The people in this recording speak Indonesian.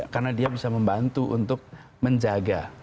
karena dia bisa membantu untuk menjaga